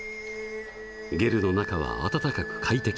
ゲルの中は暖かく快適。